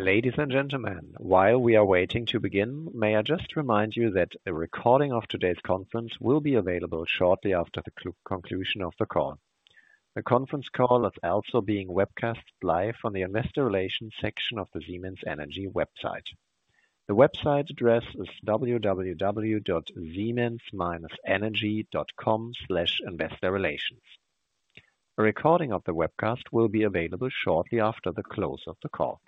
Ladies and gentlemen, while we are waiting to begin, may I just remind you that a recording of today's conference will be available shortly after the conclusion of the call. The conference call is also being webcast live on the investor relations section of the Siemens Energy website. The website address is www.siemens-energy.com/investorrelations. A recording of the webcast will be available shortly after the close of the call.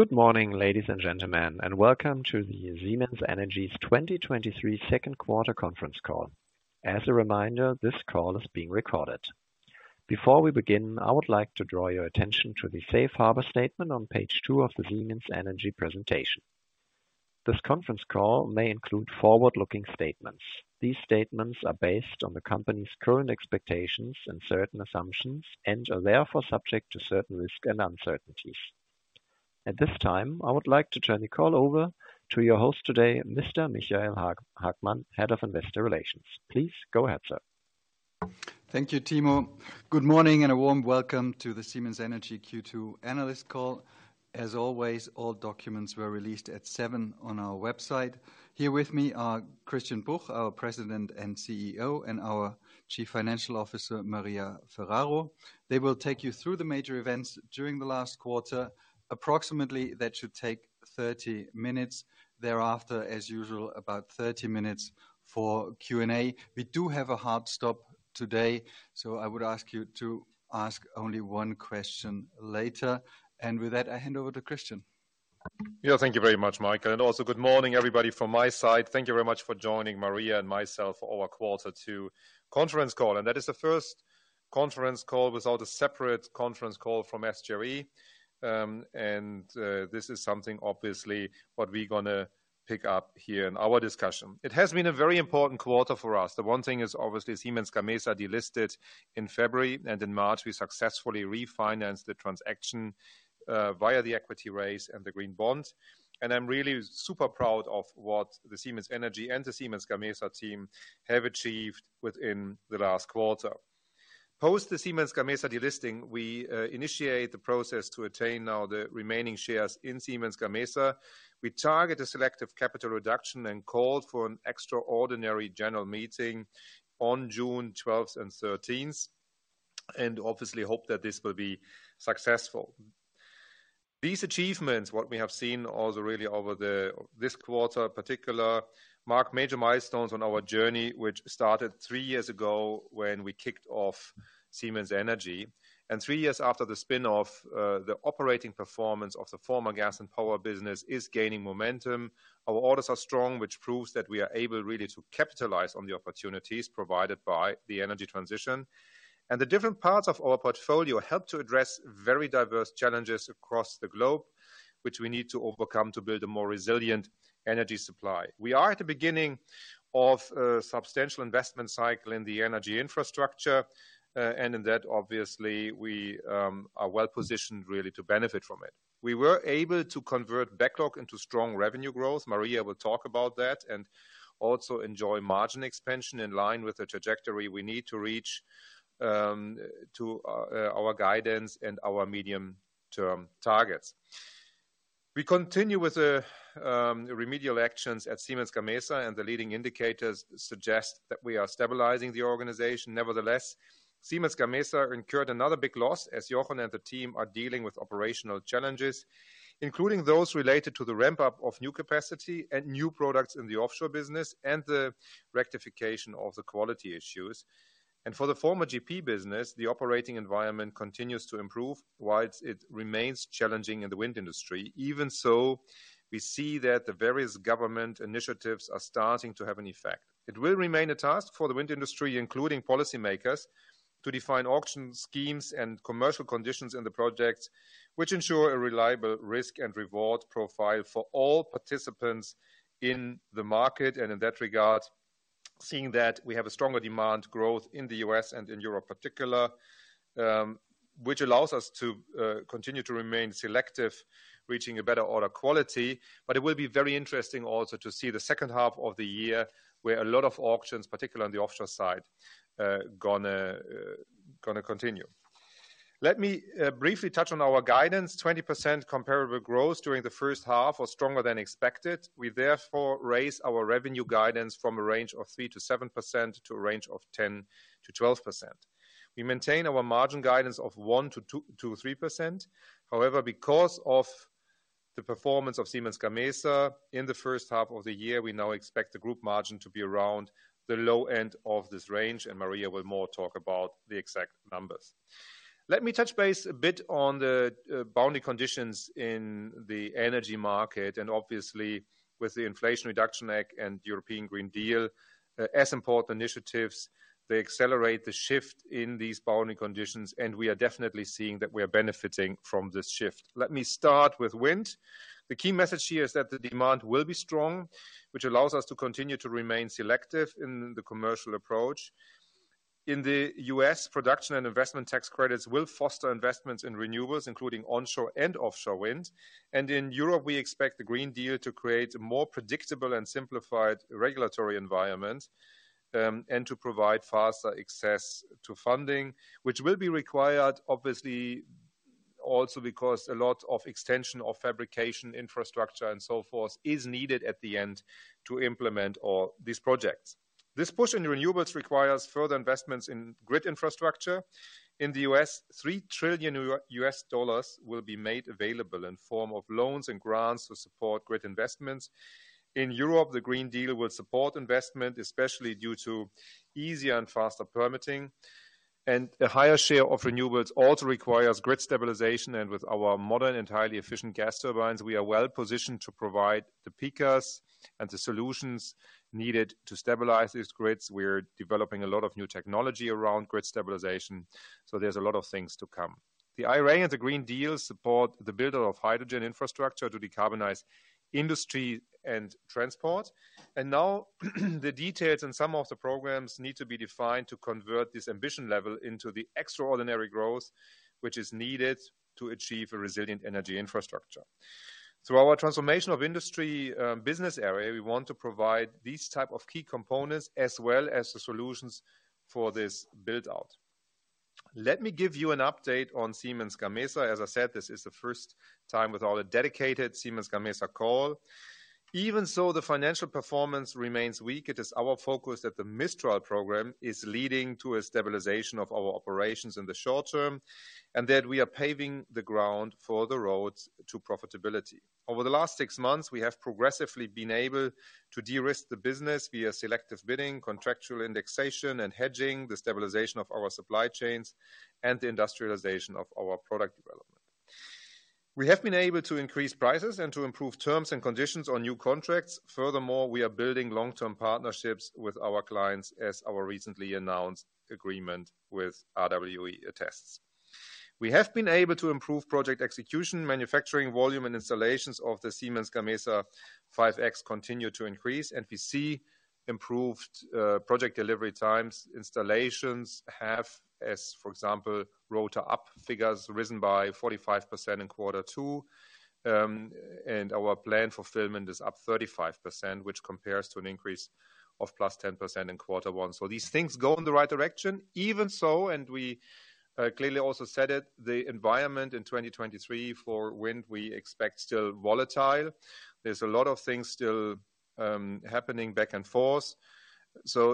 Good morning, ladies and gentlemen, welcome to the Siemens Energy's 2023 second quarter conference call. As a reminder, this call is being recorded. Before we begin, I would like to draw your attention to the Safe Harbor statement on page two of the Siemens Energy presentation. This conference call may include forward-looking statements. These statements are based on the company's current expectations and certain assumptions and are therefore subject to certain risks and uncertainties. At this time, I would like to turn the call over to your host today, Mr. Michael Hagmann, Head of Investor Relations. Please go ahead, sir. Thank you, Timo. Good morning and a warm welcome to the Siemens Energy Q2 analyst call. As always, all documents were released at 7:00 on our website. Here with me are Christian Bruch, our President and CEO, and our Chief Financial Officer, Maria Ferraro. They will take you through the major events during the last quarter. Approximately that should take 30 minutes. Thereafter, as usual, about 30 minutes for Q&A. We do have a hard stop today, so I would ask you to ask only 1 question later. With that, I hand over to Christian. Yeah. Thank you very much, Michael, and also good morning, everybody, from my side. Thank you very much for joining Maria and myself for our Quarter Two conference call. That is the first conference call without a separate conference call from SGE. This is something obviously what we're gonna pick up here in our discussion. It has been a very important quarter for us. The one thing is obviously Siemens Gamesa delisted in February, and in March, we successfully refinanced the transaction via the equity raise and the green bond. I'm really super proud of what the Siemens Energy and the Siemens Gamesa team have achieved within the last quarter. Post the Siemens Gamesa delisting, we initiate the process to attain now the remaining shares in Siemens Gamesa. We target a selective capital reduction and called for an extraordinary general meeting on June 12th and 13th. Obviously hope that this will be successful. These achievements, what we have seen also really this quarter in particular, mark major milestones on our journey, which started three years ago when we kicked off Siemens Energy. Three years after the spin-off, the operating performance of the former gas and power business is gaining momentum. Our orders are strong, which proves that we are able really to capitalize on the opportunities provided by the energy transition. The different parts of our portfolio help to address very diverse challenges across the globe, which we need to overcome to build a more resilient energy supply. We are at the beginning of a substantial investment cycle in the energy infrastructure, and in that, obviously, we are well-positioned really to benefit from it. We were able to convert backlog into strong revenue growth, Maria will talk about that, and also enjoy margin expansion in line with the trajectory we need to reach to our guidance and our medium-term targets. We continue with the remedial actions at Siemens Gamesa, the leading indicators suggest that we are stabilizing the organization. Nevertheless, Siemens Gamesa incurred another big loss as Jochen and the team are dealing with operational challenges, including those related to the ramp-up of new capacity and new products in the offshore business and the rectification of the quality issues. For the former GP business, the operating environment continues to improve, while it remains challenging in the wind industry. Even so, we see that the various government initiatives are starting to have an effect. It will remain a task for the wind industry, including policymakers, to define auction schemes and commercial conditions in the projects, which ensure a reliable risk and reward profile for all participants in the market. In that regard, seeing that we have a stronger demand growth in the U.S. and in Europe particular, which allows us to continue to remain selective, reaching a better order quality. It will be very interesting also to see the second half of the year where a lot of auctions, particularly on the offshore side, gonna continue. Let me briefly touch on our guidance. 20% comparable growth during the first half was stronger than expected. We therefore raise our revenue guidance from a range of 3% to 7% to a range of 10% to 12%. We maintain our margin guidance of 1% to 3%. Because of the performance of Siemens Gamesa in the first half of the year, we now expect the group margin to be around the low end of this range, and Maria will more talk about the exact numbers. Let me touch base a bit on the boundary conditions in the energy market and obviously with the Inflation Reduction Act and European Green Deal. As important initiatives, they accelerate the shift in these boundary conditions, and we are definitely seeing that we are benefiting from this shift. Let me start with wind. The key message here is that the demand will be strong, which allows us to continue to remain selective in the commercial approach. In the U.S., Production Tax Credits and Investment Tax Credits will foster investments in renewables, including onshore and offshore wind. In Europe, we expect the Green Deal to create a more predictable and simplified regulatory environment, and to provide faster access to funding, which will be required, obviously, also because a lot of extension of fabrication infrastructure and so forth is needed at the end to implement all these projects. This push in renewables requires further investments in grid infrastructure. In the U.S., $3 trillion will be made available in form of loans and grants to support grid investments. In Europe, the Green Deal will support investment, especially due to easier and faster permitting. A higher share of renewables also requires grid stabilization, and with our modern and highly efficient gas turbines, we are well-positioned to provide the peakers and the solutions needed to stabilize these grids. We're developing a lot of new technology around grid stabilization, so there's a lot of things to come. The IRA and the Green Deal support the build-up of hydrogen infrastructure to decarbonize industry and transport. Now the details in some of the programs need to be defined to convert this ambition level into the extraordinary growth which is needed to achieve a resilient energy infrastructure. Through our Transformation of Industry business area, we want to provide these type of key components as well as the solutions for this build-out. Let me give you an update on Siemens Gamesa. As I said, this is the first time with all the dedicated Siemens Gamesa call. Even so, the financial performance remains weak. It is our focus that the Mistral program is leading to a stabilization of our operations in the short term, and that we are paving the ground for the roads to profitability. Over the last six months, we have progressively been able to de-risk the business via selective bidding, contractual indexation and hedging, the stabilization of our supply chains, and the industrialization of our product development. We have been able to increase prices and to improve terms and conditions on new contracts. Furthermore, we are building long-term partnerships with our clients, as our recently announced agreement with RWE attests. We have been able to improve project execution, manufacturing volume and installations of the Siemens Gamesa 5.X continue to increase, and we see improved project delivery times. Installations have, as for example, rotor up figures risen by 45% in Q2. Our plan fulfillment is up 35%, which compares to an increase of +10% in quarter one. These things go in the right direction. Even so, we clearly also said it, the environment in 2023 for wind we expect still volatile. There's a lot of things still happening back and forth.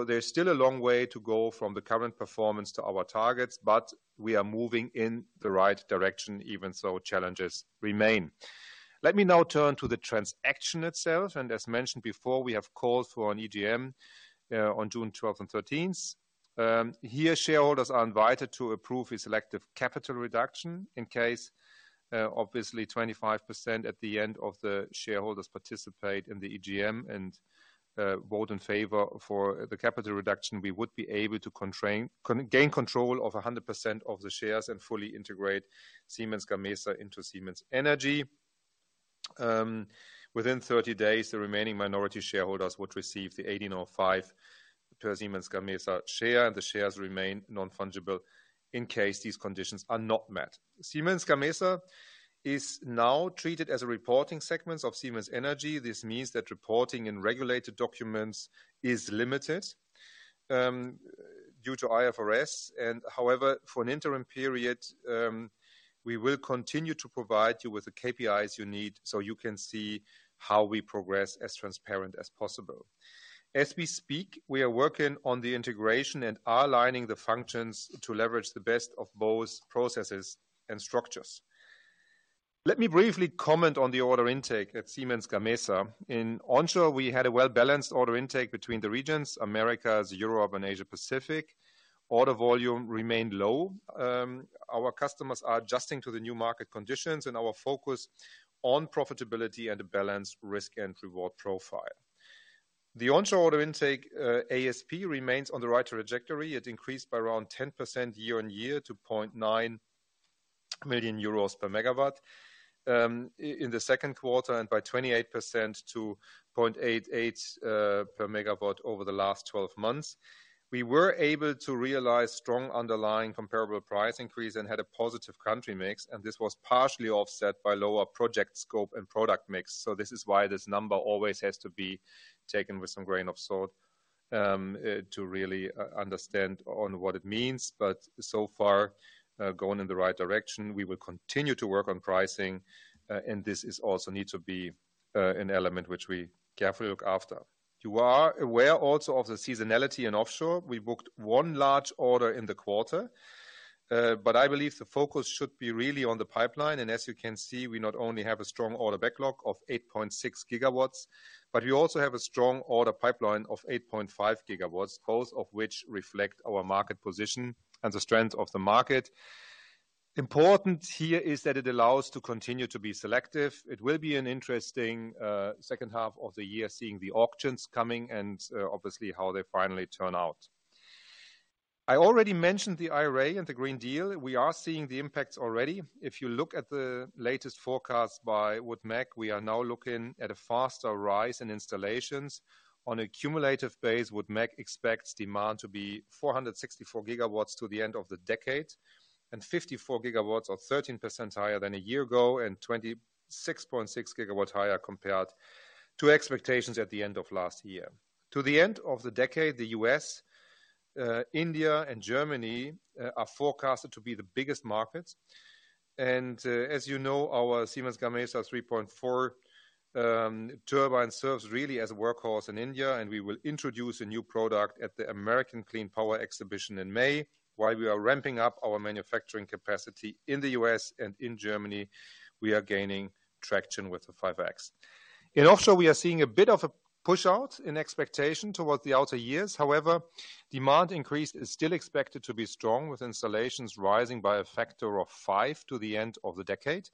There's still a long way to go from the current performance to our targets, but we are moving in the right direction even so challenges remain. Let me now turn to the transaction itself. As mentioned before, we have called for an EGM on June 12th and 13th. Here, shareholders are invited to approve a selective capital reduction in case, obviously 25% at the end of the shareholders participate in the EGM and vote in favor for the capital reduction. We would be able to gain control of 100% of the shares and fully integrate Siemens Gamesa into Siemens Energy. Within 30 days, the remaining minority shareholders would receive 18.05 per Siemens Gamesa share, and the shares remain non-fungible in case these conditions are not met. Siemens Gamesa is now treated as a reporting segment of Siemens Energy. This means that reporting in regulated documents is limited due to IFRS. However, for an interim period, we will continue to provide you with the KPIs you need so you can see how we progress as transparent as possible. As we speak, we are working on the integration and are aligning the functions to leverage the best of both processes and structures. Let me briefly comment on the order intake at Siemens Gamesa. In onshore, we had a well-balanced order intake between the regions: Americas, Europe, and Asia Pacific. Order volume remained low. Our customers are adjusting to the new market conditions and our focus on profitability and a balanced risk and reward profile. The onshore order intake, ASP remains on the right trajectory. It increased by around 10% year-on-year to 0.9 million euros per megawatt in the second quarter and by 28% to 0.88 per megawatt over the last 12 months. We were able to realize strong underlying comparable price increase and had a positive country mix, this was partially offset by lower project scope and product mix. This is why this number always has to be taken with some grain of salt to really understand on what it means. So far, going in the right direction. We will continue to work on pricing, this is also need to be an element which we carefully look after. You are aware also of the seasonality in offshore. We booked one large order in the quarter, I believe the focus should be really on the pipeline. As you can see, we not only have a strong order backlog of 8.6 GW, but we also have a strong order pipeline of 8.5 GW, both of which reflect our market position and the strength of the market. Important here is that it allows to continue to be selective. It will be an interesting second half of the year, seeing the auctions coming and obviously how they finally turn out. I already mentioned the IRA and the Green Deal. We are seeing the impacts already. If you look at the latest forecast by WoodMac, we are now looking at a faster rise in installations. On a cumulative base, WoodMac expects demand to be 464 GW to the end of the decade, 54 GW or 13% higher than a year ago and 26.6 GW higher compared to expectations at the end of last year. To the end of the decade, the U.S., India and Germany are forecasted to be the biggest markets. As you know, our Siemens Gamesa 3.4 turbine serves really as a workhorse in India. We will introduce a new product at the CLEANPOWER Conference & Exhibition in May. While we are ramping up our manufacturing capacity in the U.S. and in Germany, we are gaining traction with the Siemens Gamesa 5.X. In offshore, we are seeing a bit of a push-out in expectation towards the outer years. However, demand increase is still expected to be strong, with installations rising by a factor of five to the end of the decade.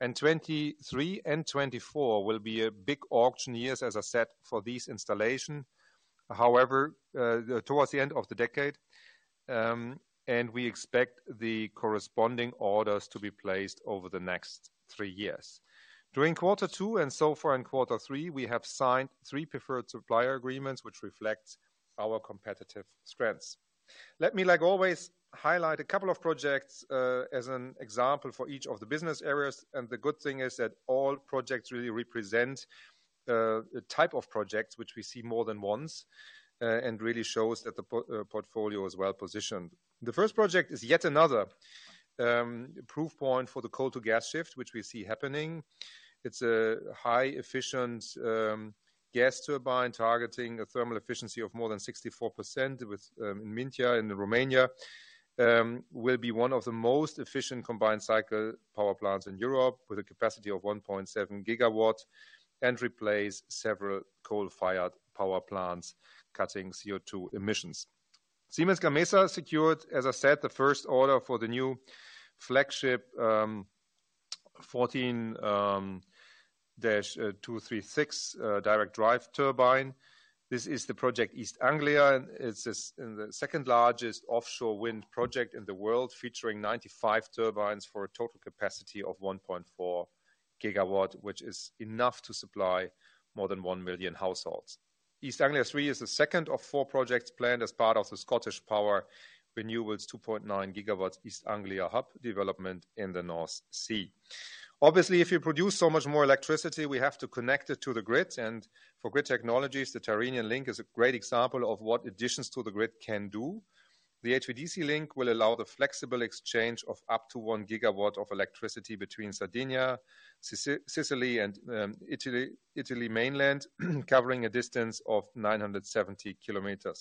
2023 and 2024 will be big auction years, as I said, for these installations. However, towards the end of the decade, we expect the corresponding orders to be placed over the next three years. During quarter two and so far in quarter three, we have signed three preferred supplier agreements, which reflects our competitive strengths. Let me, like always, highlight a couple of projects as an example for each of the business areas. The good thing is that all projects really represent a type of project which we see more than once and really shows that the portfolio is well-positioned. The first project is yet another proof point for the coal to gas shift, which we see happening. It's a highly efficient gas turbine targeting a thermal efficiency of more than 64% in Mintia in Romania. Will be one of the most efficient combined cycle power plants in Europe with a capacity of 1.7 GW and replace several coal-fired power plants, cutting CO2 emissions. Siemens Gamesa secured, as I said, the first order for the new flagship 14-236 direct drive turbine. This is the project East Anglia, and it is in the second-largest offshore wind project in the world, featuring 95 turbines for a total capacity of 1.4 GW which is enough to supply more than one million households. East Anglia Three is the second of four projects planned as part of the ScottishPower Renewables 2.9 GW East Anglia Hub development in the North Sea. Obviously, if you produce so much more electricity, we have to connect it to the grid. For Grid Technologies, the Tyrrhenian Link is a great example of what additions to the grid can do. The HVDC link will allow the flexible exchange of up to 1 GW of electricity between Sardinia, Sicily and Italy mainland, covering a distance of 970 km.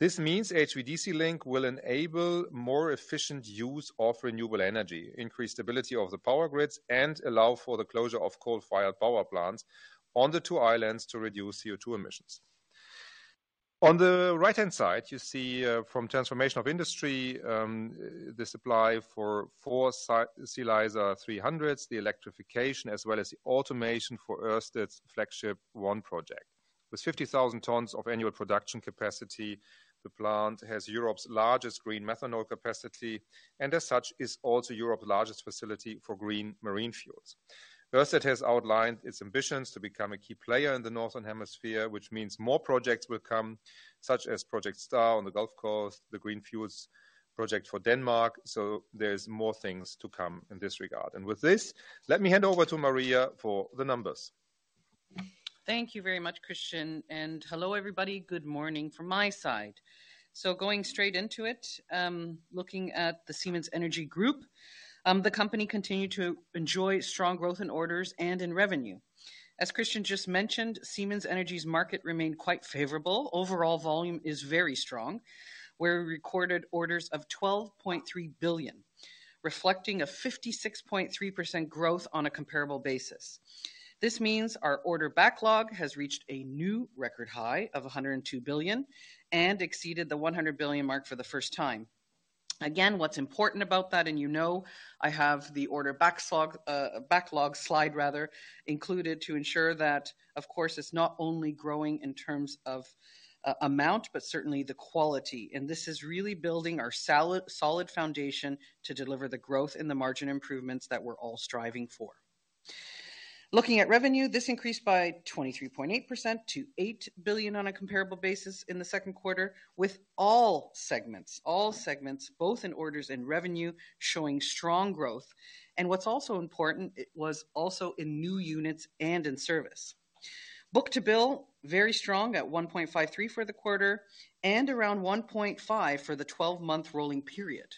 This means HVDC link will enable more efficient use of renewable energy, increase stability of the power grids, and allow for the closure of coal-fired power plants on the two islands to reduce CO2 emissions. On the right-hand side, you see from Transformation of Industry, the supply for Silyzer 300, the electrification, as well as the automation for Ørsted's FlagshipONE project. With 50,000 tons of annual production capacity, the plant has Europe's largest green methanol capacity, and as such, is also Europe's largest facility for green marine fuels. Ørsted has outlined its ambitions to become a key player in the Northern Hemisphere which means more projects will come, such as Project Star on the Gulf Coast, the Green Fuels Project for Denmark. There's more things to come in this regard. With this, let me hand over to Maria for the numbers. Thank you very much, Christian, and hello, everybody. Good morning from my side. Going straight into it, looking at the Siemens Energy Group, the company continued to enjoy strong growth in orders and in revenue. As Christian just mentioned, Siemens Energy's market remained quite favorable. Overall volume is very strong. We recorded orders of 12.3 billion, reflecting a 56.3% growth on a comparable basis. This means our order backlog has reached a new record high of 102 billion and exceeded the 100 billion mark for the first time. Again, what's important about that, and you know I have the order backlog slide rather, included to ensure that, of course, it's not only growing in terms of amount, but certainly the quality. This is really building our solid foundation to deliver the growth and the margin improvements that we're all striving for. Looking at revenue, this increased by 23.8% to 8 billion on a comparable basis in the second quarter, with all segments, both in orders and revenue, showing strong growth. What's also important, it was also in new units and in service. Book-to-bill, very strong at 1.53 for the quarter and around 1.5 for the 12-month rolling period.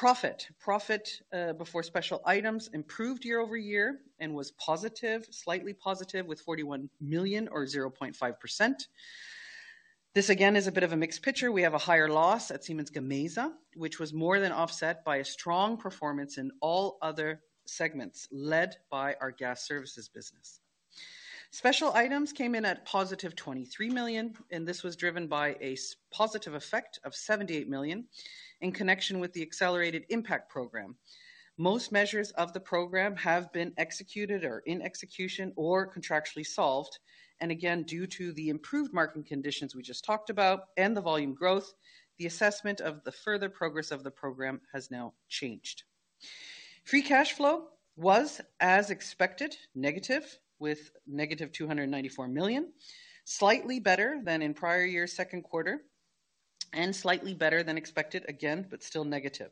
Profit, before special items improved year-over-year and was positive, slightly positive with 41 million or 0.5%. This again is a bit of a mixed picture. We have a higher loss at Siemens Gamesa, which was more than offset by a strong performance in all other segments, led by our Gas Services business. Special items came in at +23 million. This was driven by a positive effect of 78 million in connection with the Accelerating Impact program. Most measures of the program have been executed or in execution or contractually solved. Again, due to the improved market conditions we just talked about and the volume growth, the assessment of the further progress of the program has now changed. Free cash flow was, as expected, negative, with -294 million, slightly better than in prior year's second quarter and slightly better than expected again, but still negative.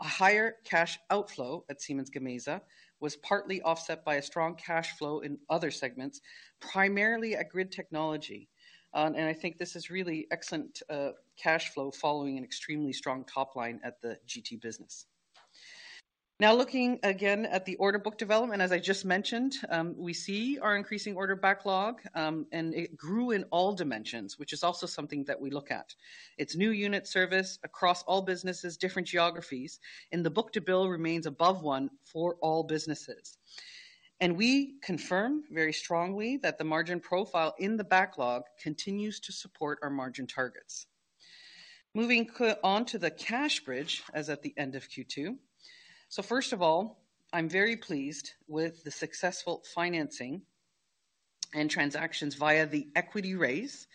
A higher cash outflow at Siemens Gamesa was partly offset by a strong cash flow in other segments, primarily at Grid Technologies. I think this is really excellent cash flow following an extremely strong top line at the GT business. Looking again at the order book development, as I just mentioned, we see our increasing order backlog, and it grew in all dimensions, which is also something that we look at. Its new unit service across all businesses, different geographies, and the book-to-bill remains above 1 for all businesses. We confirm very strongly that the margin profile in the backlog continues to support our margin targets. Moving on to the cash bridge as at the end of Q2. First of all, I'm very pleased with the successful financing and transactions via the equity raise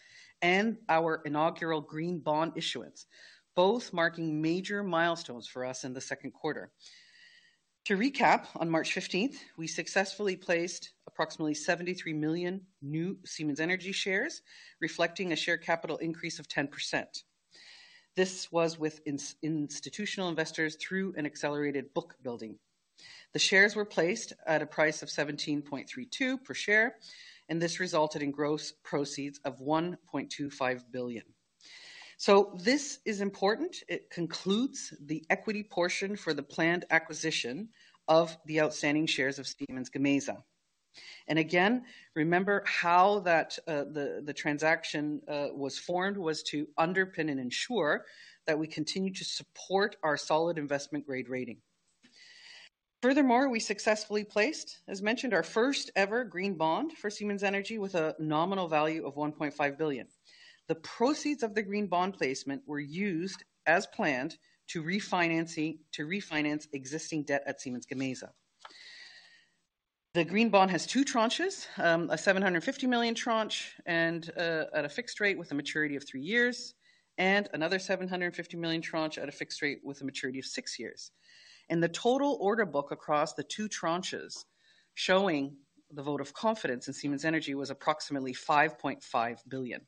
and our inaugural green bond issuance, both marking major milestones for us in the second quarter. To recap, on March 15th, we successfully placed approximately 73 million new Siemens Energy shares, reflecting a share capital increase of 10%. This was with institutional investors through an accelerated book building. The shares were placed at a price of 17.32 per share. This resulted in gross proceeds of 1.25 billion. This is important. It concludes the equity portion for the planned acquisition of the outstanding shares of Siemens Gamesa. Remember how that the transaction was formed was to underpin and ensure that we continue to support our solid investment grade rating. We successfully placed, as mentioned, our first-ever green bond for Siemens Energy with a nominal value of 1.5 billion. The proceeds of the green bond placement were used as planned to refinance existing debt at Siemens Gamesa. The green bond has two tranches, a 750 million tranche at a fixed rate with a maturity of three years, and another 750 million tranche at a fixed rate with a maturity of six years. The total order book across the two tranches showing the vote of confidence in Siemens Energy was approximately 5.5 billion.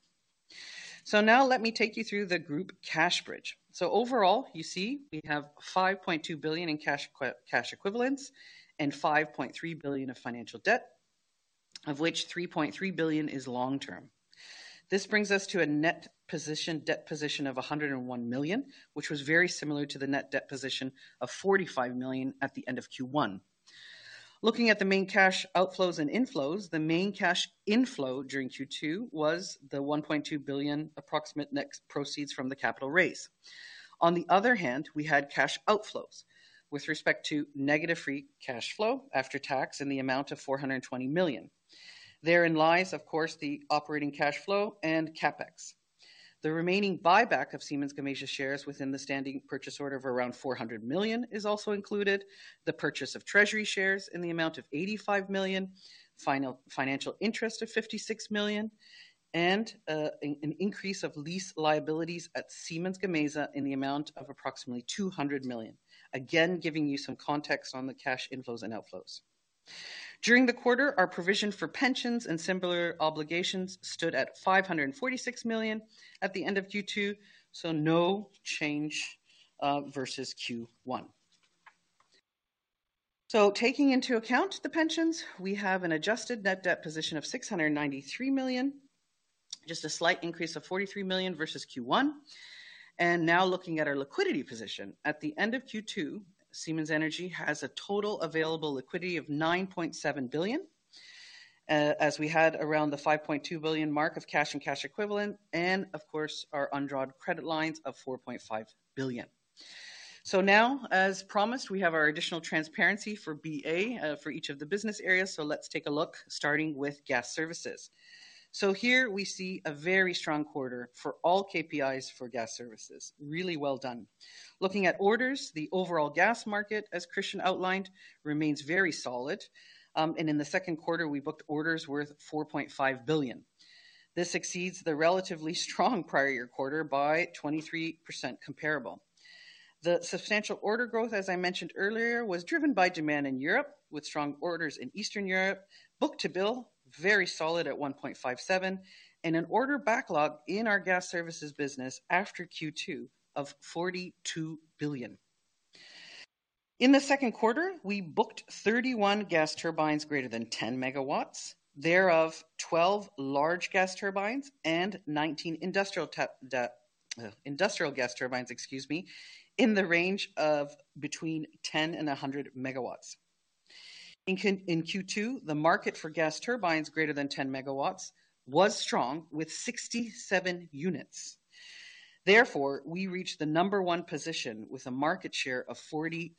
Now let me take you through the group cash bridge. Overall, you see we have 5.2 billion in cash equivalents and 5.3 billion of financial debt, of which 3.3 billion is long-term. This brings us to a net position, debt position of 101 million, which was very similar to the net debt position of 45 million at the end of Q1. Looking at the main cash outflows and inflows, the main cash inflow during Q2 was the 1.2 billion approximate net proceeds from the capital raise. On the other hand, we had cash outflows with respect to negative free cash flow after tax in the amount of 420 million. Therein lies, of course, the operating cash flow and CapEx. The remaining buyback of Siemens Gamesa shares within the standing purchase order of around 400 million is also included. The purchase of treasury shares in the amount of 85 million, financial interest of 56 million, and an increase of lease liabilities at Siemens Gamesa in the amount of approximately 200 million. Again, giving you some context on the cash inflows and outflows. During the quarter, our provision for pensions and similar obligations stood at 546 million at the end of Q2, so no change versus Q1. Taking into account the pensions, we have an adjusted net debt position of 693 million, just a slight increase of 43 million versus Q1. Now looking at our liquidity position. At the end of Q2, Siemens Energy has a total available liquidity of 9.7 billion, as we had around the 5.2 billion mark of cash and cash equivalent and of course our undrawn credit lines of 4.5 billion. Now, as promised, we have our additional transparency for BA for each of the business areas. Let's take a look, starting with Gas Services. Here we see a very strong quarter for all KPIs for Gas Services. Really well done. Looking at orders, the overall gas market, as Christian outlined, remains very solid. In the second quarter, we booked orders worth 4.5 billion. This exceeds the relatively strong prior year quarter by 23% comparable. The substantial order growth, as I mentioned earlier, was driven by demand in Europe with strong orders in Eastern Europe. Book-to-bill, very solid at 1.57, and an order backlog in our Gas Services business after Q2 of 42 billion. In the second quarter, we booked 31 gas turbines greater than 10 MW, thereof 12 large gas turbines and 19 industrial gas turbines, excuse me, in the range of between 10 MW and 100 MW. In Q2, the market for gas turbines greater than 10 MW was strong with 67 units. We reached the number one position with a market share of 46%.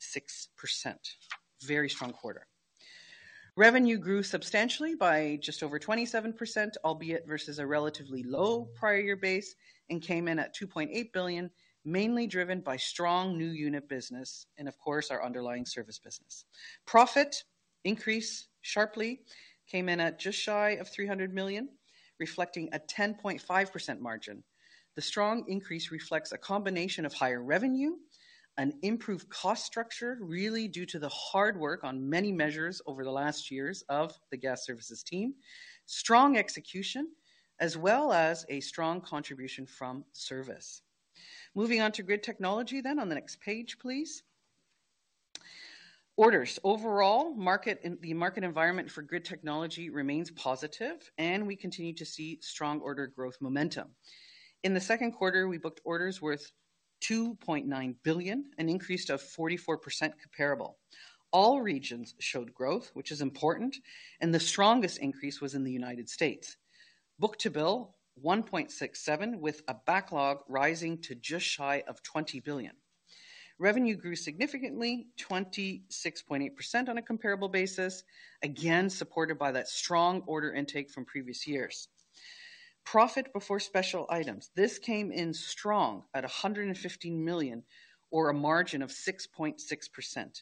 Very strong quarter. Revenue grew substantially by just over 27%, albeit versus a relatively low prior year base and came in at 2.8 billion, mainly driven by strong new unit business and of course our underlying service business. Profit increased sharply, came in at just shy of 300 million, reflecting a 10.5% margin. The strong increase reflects a combination of higher revenue, an improved cost structure really due to the hard work on many measures over the last years of the Gas Services team, strong execution, as well as a strong contribution from service. Moving on to Grid Technology on the next page, please. Orders. Overall, the market environment for Grid Technology remains positive, and we continue to see strong order growth momentum. In the second quarter, we booked orders worth 2.9 billion, an increase of 44% comparable. All regions showed growth, which is important, and the strongest increase was in the United States. Book-to-bill 1.67 with a backlog rising to just shy of 20 billion. Revenue grew significantly, 26.8% on a comparable basis, again supported by that strong order intake from previous years. Profit before special items. This came in strong at 150 million or a margin of 6.6%.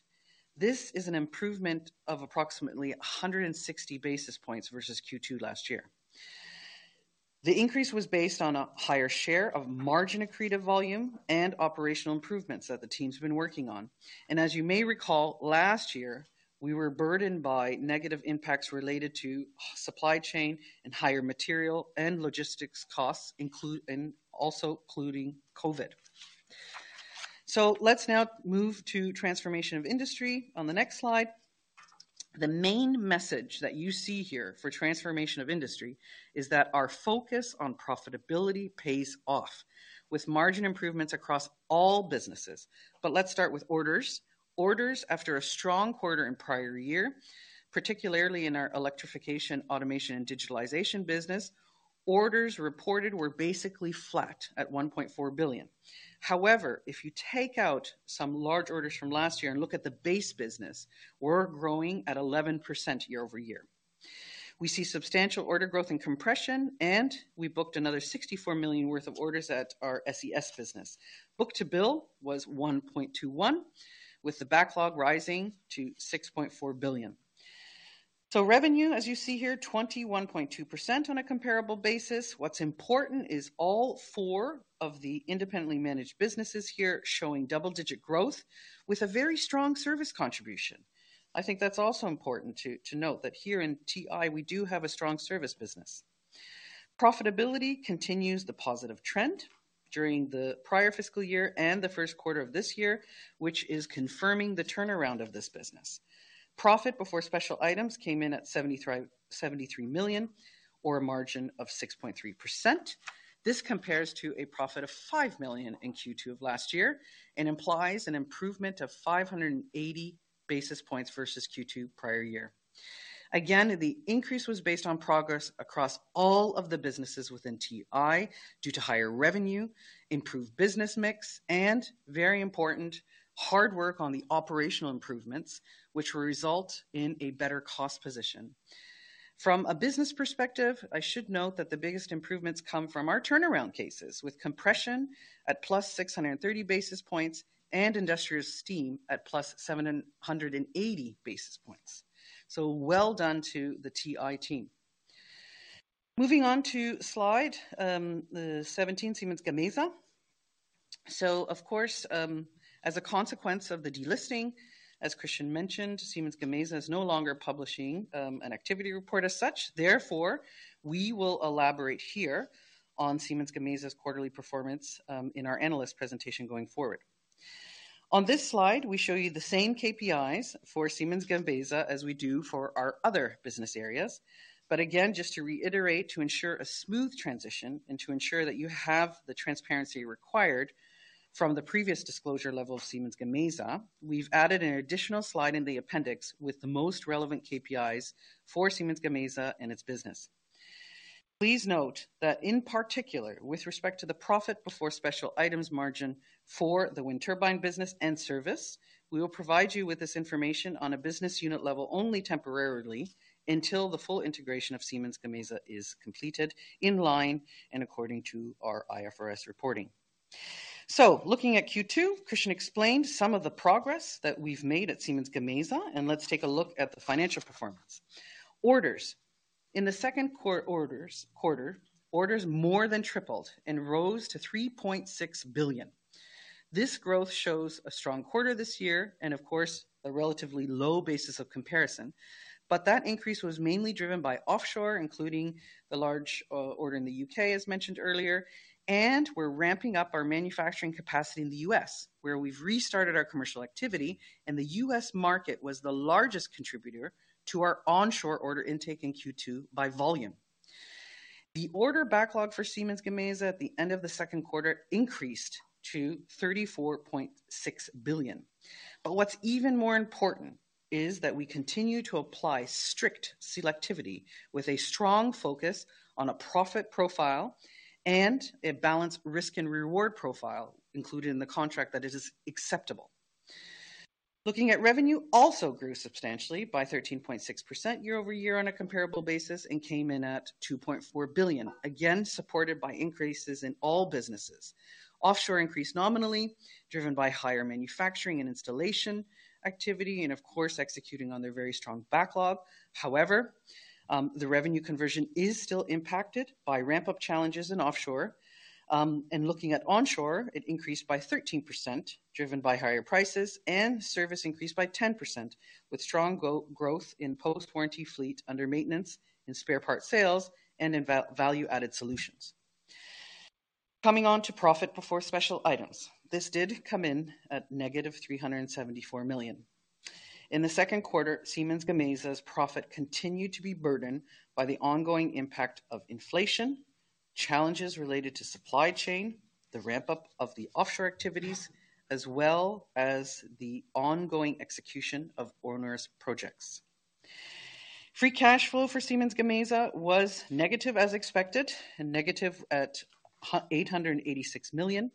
This is an improvement of approximately 160 basis points versus Q2 last year. The increase was based on a higher share of margin-accretive volume and operational improvements that the team's been working on. As you may recall, last year, we were burdened by negative impacts related to supply chain and higher material and logistics costs and also including COVID. Let's now move to Transformation of Industry on the next slide. The main message that you see here for Transformation of Industry is that our focus on profitability pays off with margin improvements across all businesses. Let's start with orders. Orders after a strong quarter and prior year, particularly in our electrification, automation, and digitalization business, orders reported were basically flat at 1.4 billion. However, if you take out some large orders from last year and look at the base business, we're growing at 11% year-over-year. We see substantial order growth and Compression, and we booked another 64 million worth of orders at our SES business. Book-to-bill was 1.21, with the backlog rising to 6.4 billion. Revenue, as you see here, 21.2% on a comparable basis. What's important is all four of the independently managed businesses here showing double-digit growth with a very strong service contribution. I think that's also important to note that here in TI, we do have a strong service business. Profitability continues the positive trend during the prior fiscal year and the first quarter of this year, which is confirming the turnaround of this business. Profit before special items came in at 73 million or a margin of 6.3%. This compares to a profit of 5 million in Q2 of last year and implies an improvement of 580 basis points versus Q2 prior year. Again, the increase was based on progress across all of the businesses within TI due to higher revenue, improved business mix, and very important, hard work on the operational improvements which will result in a better cost position. From a business perspective, I should note that the biggest improvements come from our turnaround cases, with Compression at +630 basis points and Industrial Steam at +780 basis points. Well done to the TI team. Moving on to slide 17, Siemens Gamesa. Of course, as a consequence of the delisting, as Christian mentioned, Siemens Gamesa is no longer publishing an activity report as such. We will elaborate here on Siemens Gamesa's quarterly performance in our analyst presentation going forward. On this slide, we show you the same KPIs for Siemens Gamesa as we do for our other business areas. Again, just to reiterate, to ensure a smooth transition and to ensure that you have the transparency required from the previous disclosure level of Siemens Gamesa, we've added an additional slide in the appendix with the most relevant KPIs for Siemens Gamesa and its business. Please note that in particular, with respect to the profit before special items margin for the wind turbine business and service, we will provide you with this information on a business unit level only temporarily until the full integration of Siemens Gamesa is completed in line and according to our IFRS reporting. Looking at Q2, Christian explained some of the progress that we've made at Siemens Gamesa, and let's take a look at the financial performance. Orders. In the second quarter, orders more than tripled and rose to 3.6 billion. This growth shows a strong quarter this year and of course a relatively low basis of comparison. That increase was mainly driven by offshore, including the large order in the U.K. as mentioned earlier, and we're ramping up our manufacturing capacity in the U.S., where we've restarted our commercial activity and the U.S. market was the largest contributor to our onshore order intake in Q2 by volume. The order backlog for Siemens Gamesa at the end of the second quarter increased to 34.6 billion. What's even more important is that we continue to apply strict selectivity with a strong focus on a profit profile and a balanced risk and reward profile included in the contract that it is acceptable. Looking at revenue also grew substantially by 13.6% year-over-year on a comparable basis and came in at 2.4 billion. Supported by increases in all businesses. Offshore increased nominally, driven by higher manufacturing and installation activity, and of course executing on their very strong backlog. The revenue conversion is still impacted by ramp-up challenges in offshore. Looking at onshore, it increased by 13%, driven by higher prices, and service increased by 10% with strong growth in post-warranty fleet under maintenance, in spare parts sales, and in value added solutions. Coming on to profit before special items. This did come in at -374 million. In the second quarter, Siemens Gamesa's profit continued to be burdened by the ongoing impact of inflation, challenges related to supply chain, the ramp-up of the offshore activities, as well as the ongoing execution of onerous projects. Free cash flow for Siemens Gamesa was negative as expected, and negative at 886 million.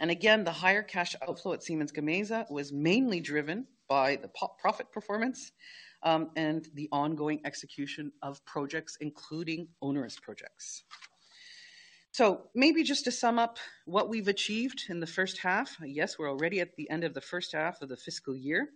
Again, the higher cash outflow at Siemens Gamesa was mainly driven by the profit performance and the ongoing execution of projects, including onerous projects. Maybe just to sum up what we've achieved in the first half. We're already at the end of the first half of the fiscal year.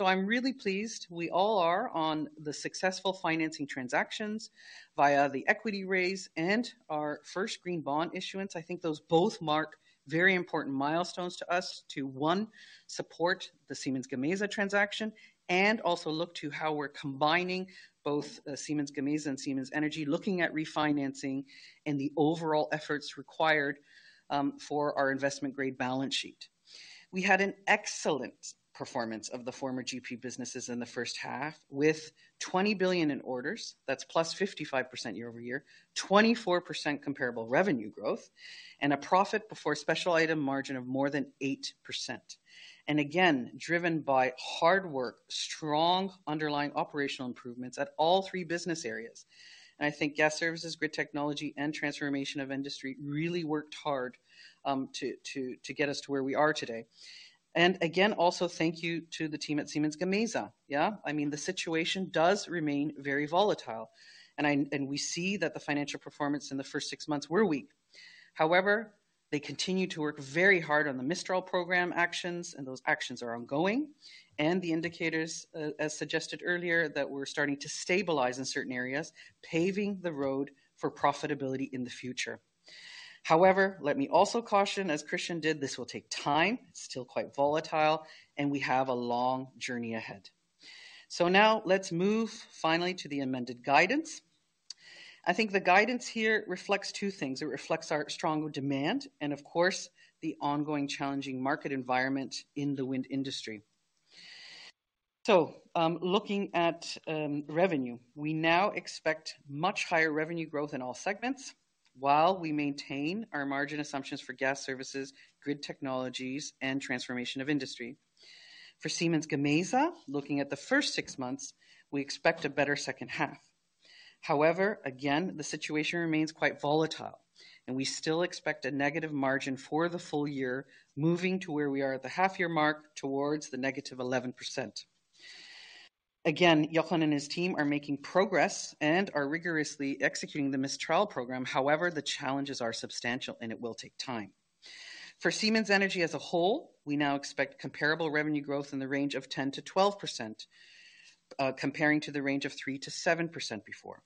I'm really pleased, we all are, on the successful financing transactions via the equity raise and our first green bond issuance. I think those both mark very important milestones to us to, one, support the Siemens Gamesa transaction and also look to how we're combining both Siemens Gamesa and Siemens Energy, looking at refinancing and the overall efforts required for our investment-grade balance sheet. We had an excellent performance of the former GP businesses in the first half with 20 billion in orders. That's +55% year-over-year, 24% comparable revenue growth, and a profit before special item margin of more than 8%. Again, driven by hard work, strong underlying operational improvements at all three business areas. I think Gas Services, Grid Technology, and Transformation of Industry really worked hard to get us to where we are today. Again, also thank you to the team at Siemens Gamesa, yeah. I mean, the situation does remain very volatile. We see that the financial performance in the first six months were weak. They continue to work very hard on the Mistral program actions, and those actions are ongoing. The indicators, as suggested earlier, that we're starting to stabilize in certain areas, paving the road for profitability in the future. Let me also caution, as Christian did, this will take time. It's still quite volatile, and we have a long journey ahead. Now let's move finally to the amended guidance. I think the guidance here reflects two things. It reflects our strong demand and of course, the ongoing challenging market environment in the wind industry. Looking at revenue. We now expect much higher revenue growth in all segments, while we maintain our margin assumptions for Gas Services, Grid Technologies, and Transformation of Industry. For Siemens Gamesa, looking at the first six months, we expect a better second half. The situation remains quite volatile, and we still expect a negative margin for the full year, moving to where we are at the half-year mark towards the -11%. Jochen and his team are making progress and are rigorously executing the Mistral program. The challenges are substantial, and it will take time. For Siemens Energy as a whole, we now expect comparable revenue growth in the range of 10% to 12%, comparing to the range of 3% to 7% before.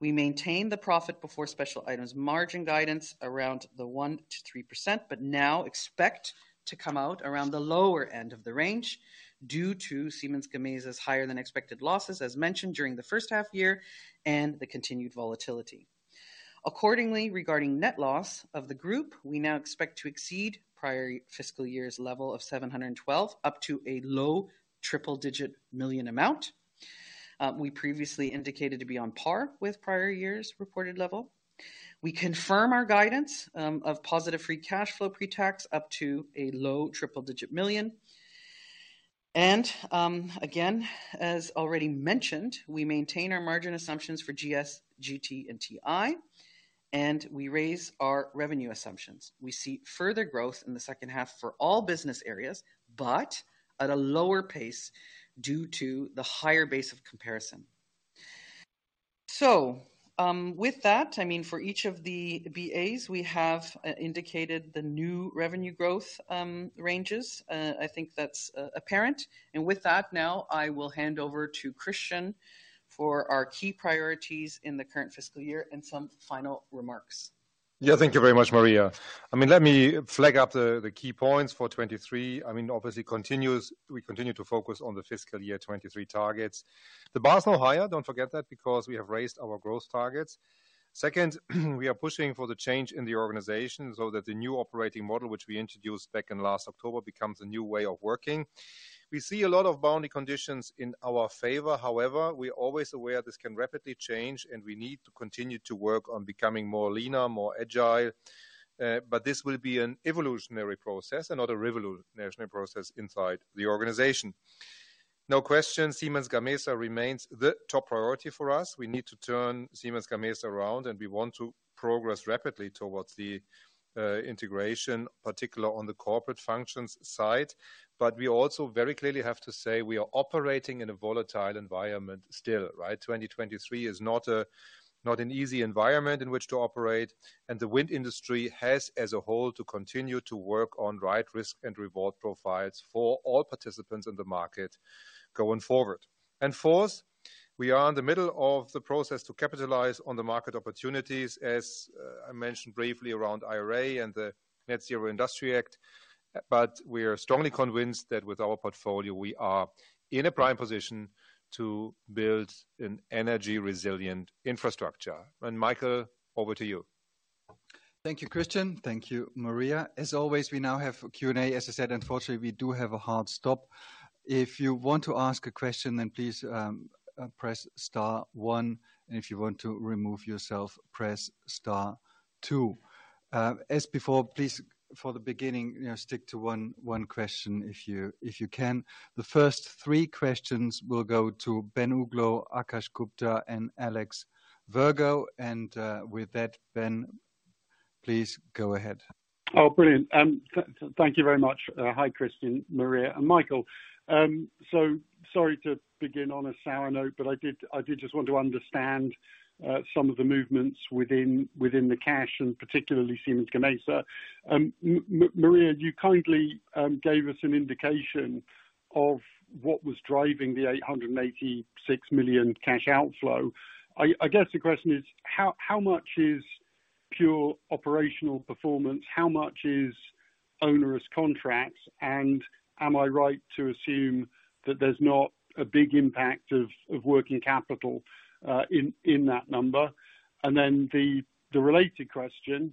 We maintain the profit before special items margin guidance around the 1% to 3%, but now expect to come out around the lower end of the range due to Siemens Gamesa's higher than expected losses, as mentioned during the first half year and the continued volatility. Accordingly, regarding net loss of the group, we now expect to exceed prior fiscal year's level of 712 million up to a low triple-digit million amount. We previously indicated to be on par with prior year's reported level. We confirm our guidance of positive free cash flow pre-tax up to a low triple-digit million. Again, as already mentioned, we maintain our margin assumptions for GS, GT, and TI, and we raise our revenue assumptions. We see further growth in the second half for all business areas, but at a lower pace due to the higher base of comparison. With that, I mean, for each of the BAs, we have indicated the new revenue growth ranges. I think that's apparent. With that, now I will hand over to Christian for our key priorities in the current fiscal year and some final remarks. Thank you very much, Maria. I mean, let me flag up the key points for 2023. I mean, obviously we continue to focus on the fiscal year 2023 targets. The bar is now higher. Don't forget that because we have raised our growth targets. Second, we are pushing for the change in the organization so that the new operating model which we introduced back in last October, becomes a new way of working. We see a lot of boundary conditions in our favor. We're always aware this can rapidly change, and we need to continue to work on becoming more leaner, more agile, but this will be an evolutionary process and not a revolutionary process inside the organization. No question, Siemens Gamesa remains the top priority for us. We need to turn Siemens Gamesa around, and we want to progress rapidly towards the integration, particular on the corporate functions side. We also very clearly have to say, we are operating in a volatile environment still, right? 2023 is not a, not an easy environment in which to operate, the wind industry has, as a whole, to continue to work on right risk and reward profiles for all participants in the market going forward. Fourth, we are in the middle of the process to capitalize on the market opportunities, as I mentioned briefly around IRA and the Net Zero Industry Act, we are strongly convinced that with our portfolio, we are in a prime position to build an energy-resilient infrastructure. Michael, over to you. Thank you, Christian. Thank you, Maria. As always, we now have Q&A. As I said, unfortunately, we do have a hard stop. If you want to ask a question, please press star one. If you want to remove yourself, press star two. As before, please, for the beginning, you know, stick to one question if you can. The first three questions will go to Ben Uglow, Akash Gupta, and Alexander Virgo. With that, Ben, please go ahead. Brilliant. Thank you very much. Hi, Christian, Maria, and Michael. Sorry to begin on a sour note, but I did just want to understand some of the movements within the cash and particularly Siemens Gamesa. Maria, you kindly gave us an indication of what was driving the 886 million cash outflow. I guess the question is: How much is pure operational performance? How much is onerous contracts? Am I right to assume that there's not a big impact of working capital in that number? The related question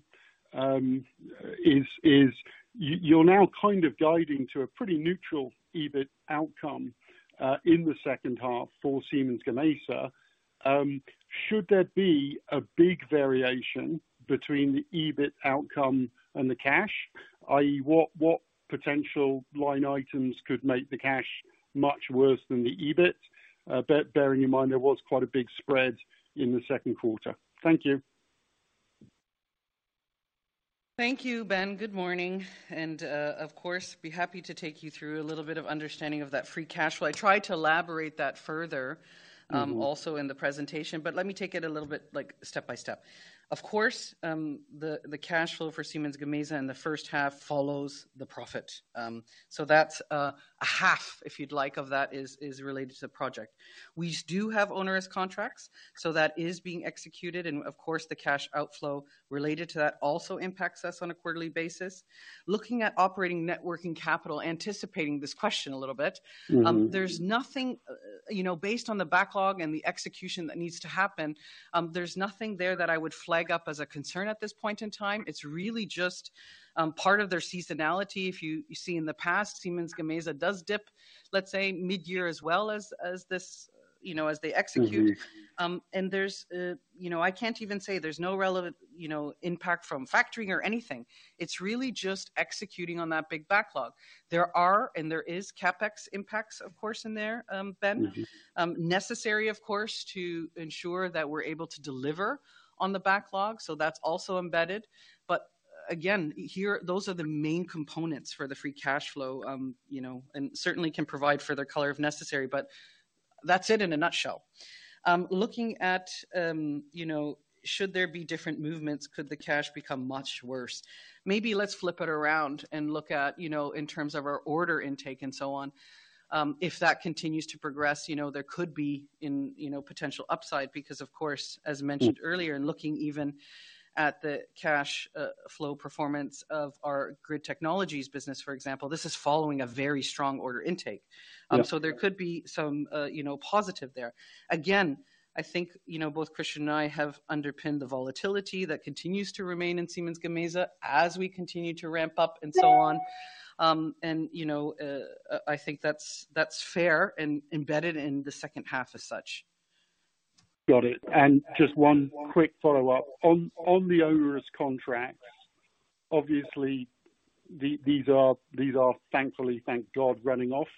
is, you're now kind of guiding to a pretty neutral EBIT outcome in the second half for Siemens Gamesa. Should there be a big variation between the EBIT outcome and the cash? i.e. What potential line items could make the cash much worse than the EBIT? Bearing in mind there was quite a big spread in the second quarter. Thank you. Thank you, Ben. Good morning. Of course, be happy to take you through a little bit of understanding of that free cash flow. I tried to elaborate that.... also in the presentation, let me take it a little bit like step-by-step. Of course, the cash flow for Siemens Gamesa in the first half follows the profit. That's a half, if you'd like, of that is related to the project. We do have onerous contracts, that is being executed, of course, the cash outflow related to that also impacts us on a quarterly basis. Looking at operating net working capital, anticipating this question a little bit...... there's nothing, you know, based on the backlog and the execution that needs to happen, there's nothing there that I would flag up as a concern at this point in time. It's really just part of their seasonality. If you see in the past, Siemens Gamesa does dip, let's say, mid-year as well as this, you know, as they execute. There's, you know, I can't even say there's no relevant, you know, impact from factoring or anything. It's really just executing on that big backlog. There are, and there is CapEx impacts, of course, in there, Ben. necessary, of course, to ensure that we're able to deliver on the backlog. That's also embedded. Again, here, those are the main components for the free cash flow, you know, and certainly can provide further color if necessary, but that's it in a nutshell. Looking at, you know, should there be different movements, could the cash become much worse? Maybe let's flip it around and look at, you know, in terms of our order intake and so on. If that continues to progress, you know, there could be potential upside because of course, as mentioned earlier- -in looking even at the cash, flow performance of our Grid Technologies business, for example, this is following a very strong order intake. Yeah. There could be some, you know, positive there. Again, I think you know both Christian and I have underpinned the volatility that continues to remain in Siemens Gamesa as we continue to ramp up and so on. You know, I think that's fair and embedded in the second half as such. Got it. Just one quick follow-up. On the onerous contracts, obviously, these are thankfully, thank God, running off.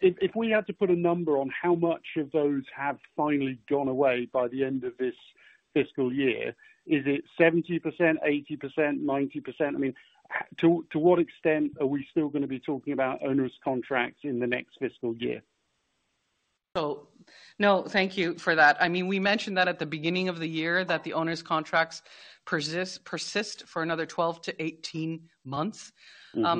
If we had to put a number on how much of those have finally gone away by the end of this fiscal year, is it 70%, 80%, 90%? I mean, to what extent are we still gonna be talking about onerous contracts in the next fiscal year? No, thank you for that. I mean, we mentioned that at the beginning of the year that the onerous contracts persist for another 12 to 18 months.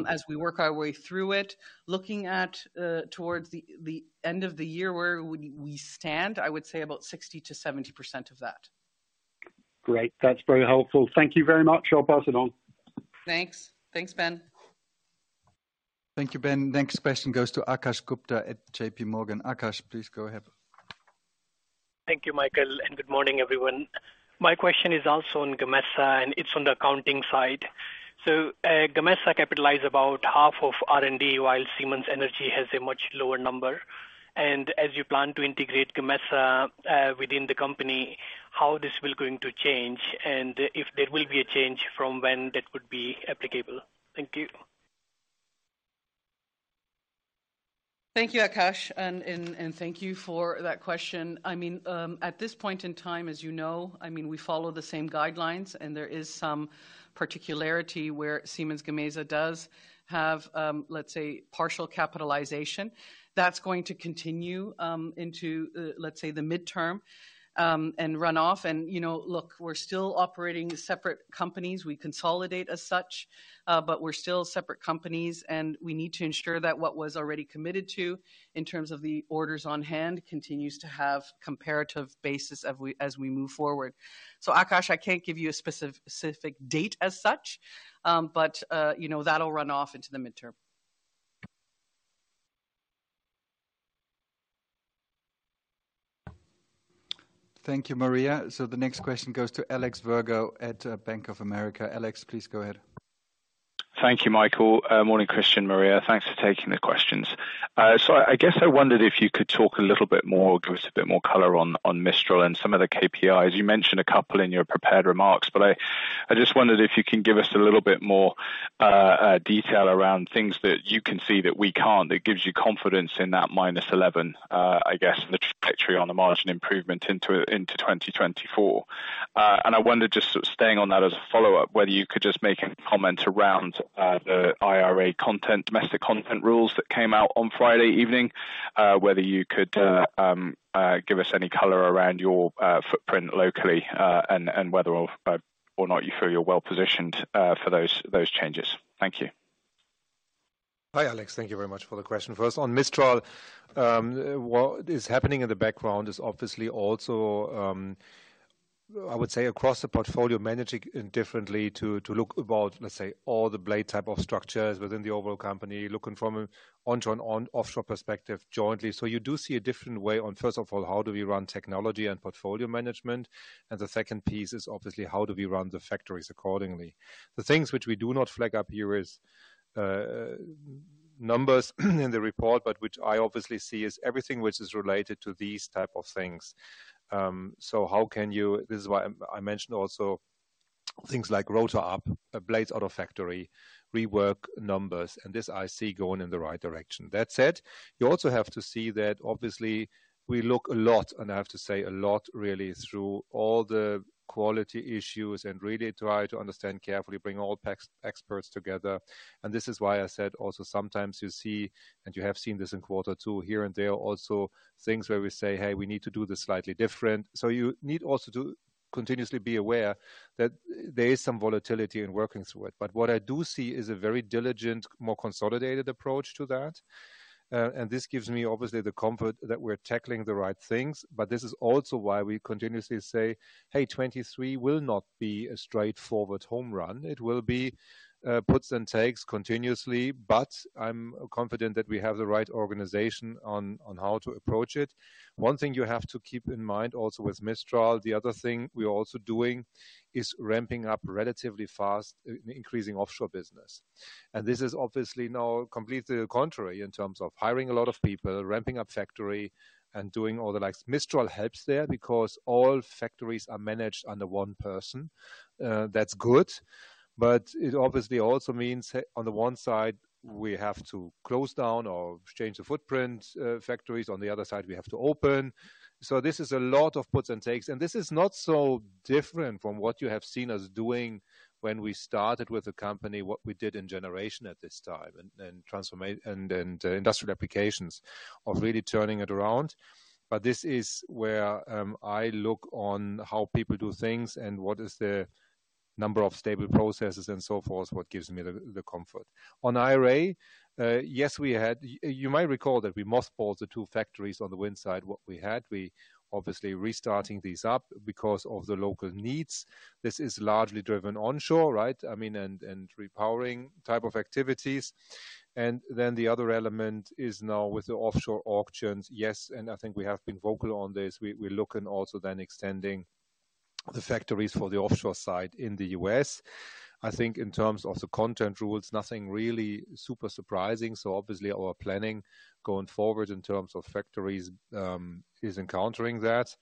As we work our way through it. Looking at towards the end of the year, where would we stand? I would say about 60% to 70% of that. Great. That's very helpful. Thank you very much. I'll pass it on. Thanks. Thanks, Ben. Thank you, Ben. Next question goes to Akash Gupta at J.P. Morgan. Akash, please go ahead. Thank you, Michael, and good morning, everyone. My question is also on Gamesa, and it's on the accounting side. Gamesa capitalize about half of R&D, while Siemens Energy has a much lower number. As you plan to integrate Gamesa within the company, how this will going to change, and if there will be a change, from when that would be applicable? Thank you. Thank you, Akash. Thank you for that question. I mean, at this point in time, as you know, I mean, we follow the same guidelines and there is some particularity where Siemens Gamesa does have, let's say, partial capitalization. That's going to continue into, let's say, the midterm and run off. You know, look, we're still operating separate companies. We consolidate as such, but we're still separate companies, and we need to ensure that what was already committed to in terms of the orders on hand continues to have comparative basis as we move forward. Akash, I can't give you a specific date as such, but, you know, that'll run off into the midterm. Thank you, Maria. The next question goes to Alexander Virgo at Bank of America. Alex, please go ahead. Thank you, Michael. Morning, Christian, Maria. Thanks for taking the questions. I guess I wondered if you could talk a little bit more, give us a bit more color on Mistral and some of the KPIs. You mentioned a couple in your prepared remarks, but I just wondered if you can give us a little bit more detail around things that you can see that we can't, that gives you confidence in that -11, I guess, the trajectory on the margin improvement into 2024. I wondered, just staying on that as a follow-up, whether you could just make a comment around the IRA content, domestic content rules that came out on Friday evening, whether you could. Yeah. Give us any color around your footprint locally, and whether or not you feel you're well positioned for those changes. Thank you. Hi, Alex. Thank you very much for the question. First, on Mistral, what is happening in the background is obviously also, I would say across the portfolio, managing it differently to look about, let's say, all the blade type of structures within the overall company, looking from a onshore and offshore perspective jointly. You do see a different way on, first of all, how do we run technology and portfolio management. The second piece is obviously how do we run the factories accordingly. The things which we do not flag up here is numbers in the report, but which I obviously see is everything which is related to these type of things. This is why I mentioned also things like rotor up, blades out of factory, rework numbers, and this I see going in the right direction. That said, you also have to see that obviously we look a lot, and I have to say a lot really, through all the quality issues and really try to understand carefully, bring all ex-experts together. This is why I said also sometimes you see, and you have seen this in quarter two here and there also, things where we say, "Hey, we need to do this slightly different." You need also to continuously be aware that there is some volatility in working through it. What I do see is a very diligent, more consolidated approach to that. This gives me obviously the comfort that we're tackling the right things, this is also why we continuously say, "Hey, 2023 will not be a straightforward home run. It will be puts and takes continuously. I'm confident that we have the right organization on how to approach it. One thing you have to keep in mind also with Mistral, the other thing we're also doing is ramping up relatively fast increasing offshore business. This is obviously now completely the contrary in terms of hiring a lot of people, ramping up factory, and doing all the likes. Mistral helps there because all factories are managed under one person. That's good, it obviously also means that on the one side, we have to close down or change the footprint, factories, on the other side, we have to open. This is a lot of puts and takes, and this is not so different from what you have seen us doing when we started with the company, what we did in generation at this time and transformation and then industrial applications of really turning it around. This is where, I look on how people do things and what is the Number of stable processes and so forth is what gives me the comfort. On IRA, yes, you might recall that we mothballed the two factories on the wind side, what we had. We obviously restarting these up because of the local needs. This is largely driven onshore, right? I mean, and repowering type of activities. The other element is now with the offshore auctions. Yes, I think we have been vocal on this. We're looking also then extending the factories for the offshore side in the U.S. I think in terms of the content rules, nothing really super surprising. Obviously our planning going forward in terms of factories, is encountering that.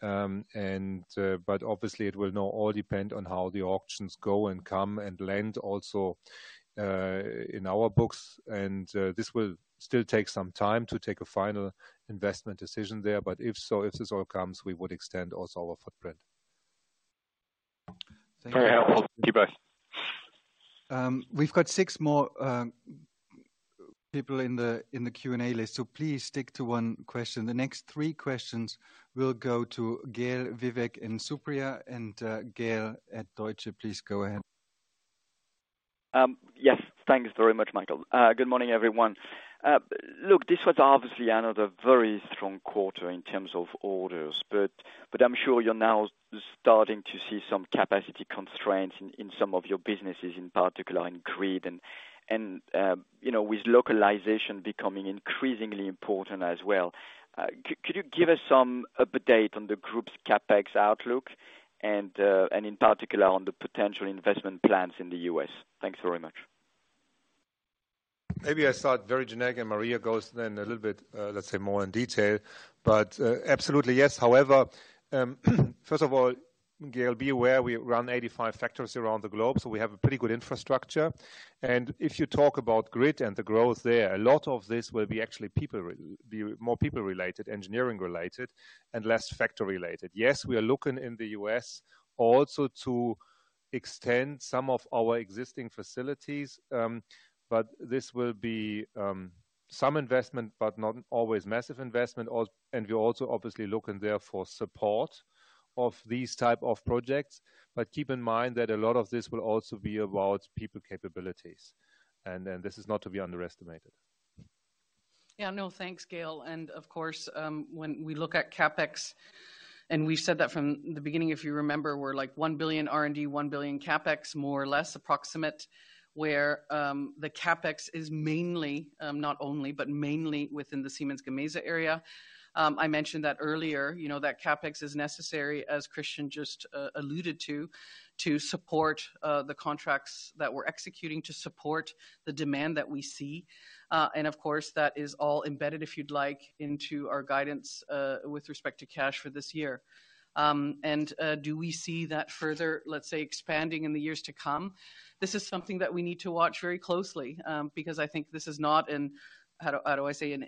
But obviously it will now all depend on how the auctions go and come and land also, in our books. This will still take some time to take a final investment decision there. If so, if this all comes, we would extend also our footprint. Very helpful. Thank you both. We've got six more people in the Q&A list, so please stick to one question. The next three questions will go to Gael, Vivek, and Supriya. Gael at Deutsche, please go ahead. Yes. Thanks very much, Michael. Good morning, everyone. Look, this was obviously another very strong quarter in terms of orders, but I'm sure you're now starting to see some capacity constraints in some of your businesses, in particular in grid and, you know, with localization becoming increasingly important as well. Could you give us some update on the group's CapEx outlook and in particular on the potential investment plans in the U.S.? Thanks very much. Maybe I start very generic, Maria Ferraro goes then a little bit, let's say more in detail. Absolutely, yes. However, first of all, Gael de-Bray, be aware we run 85 factories around the globe. We have a pretty good infrastructure. If you talk about grid and the growth there, a lot of this will be actually more people-related, engineering-related, and less factory-related. Yes, we are looking in the U.S. also to extend some of our existing facilities. This will be some investment, not always massive investment. We're also obviously looking there for support of these type of projects. Keep in mind that a lot of this will also be about people capabilities, and this is not to be underestimated. No, thanks, Gael de-Bray. Of course, when we look at CapEx, and we've said that from the beginning, if you remember, we're like 1 billion R&D, 1 billion CapEx, more or less approximate, where the CapEx is mainly, not only, but mainly within the Siemens Gamesa area. I mentioned that earlier, you know, that CapEx is necessary, as Christian Bruch just alluded to support the contracts that we're executing, to support the demand that we see. That is all embedded, if you'd like, into our guidance with respect to cash for this year. Do we see that further, let's say, expanding in the years to come? This is something that we need to watch very closely, because I think this is not an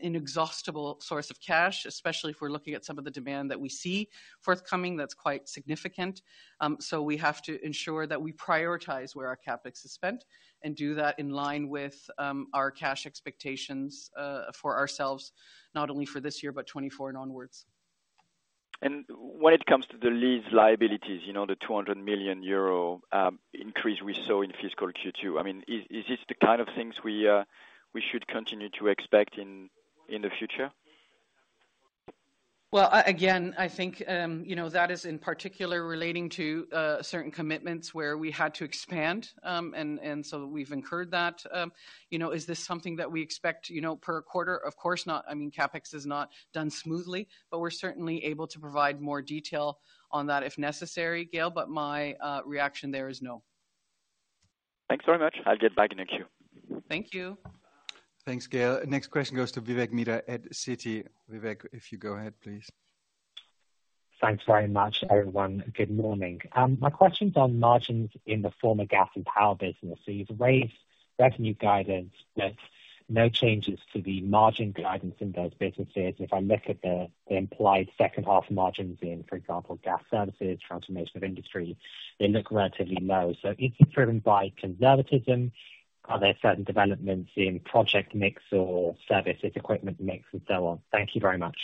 inexhaustible source of cash, especially if we're looking at some of the demand that we see forthcoming that's quite significant. So we have to ensure that we prioritize where our CapEx is spent and do that in line with our cash expectations for ourselves, not only for this year, but 2024 and onwards. When it comes to the lease liabilities, you know, the 200 million euro increase we saw in fiscal Q2. I mean, is this the kind of things we should continue to expect in the future? Well, again, I think, you know, that is in particular relating to certain commitments where we had to expand. And so we've incurred that. You know, is this something that we expect, you know, per quarter? Of course not. I mean, CapEx is not done smoothly. We're certainly able to provide more detail on that if necessary, Gael, but my reaction there is no. Thanks very much. I'll get back in next queue. Thank you. Thanks, Gael. Next question goes to Vivek Midha at Citi. Vivek, if you go ahead, please. Thanks very much, everyone. Good morning. My question's on margins in the former Gas and Power business. You've raised revenue guidance, but no changes to the margin guidance in those businesses. If I look at the implied second half margins in, for example, Gas Services, Transformation of Industry, they look relatively low. Is it driven by conservatism? Are there certain developments in project mix or services equipment mix and so on? Thank you very much.